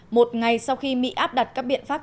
một ngày sau khi mỹ áp đặt các biện pháp